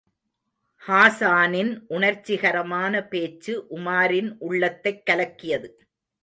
ஹாஸானின் உணர்ச்சிகரமான பேச்சு உமாரின் உள்ளத்தைக் கலக்கியது.